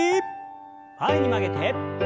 前に曲げて。